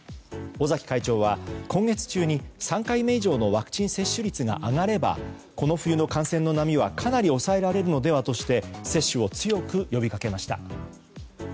尾崎会長は今月中に３回目以上のワクチン接種率が上がればこの冬の感染の波はかなり抑えられるのではとして接種を強く呼びかけました。